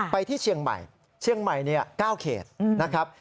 ที่เชียงใหม่เชียงใหม่๙เขตนะครับ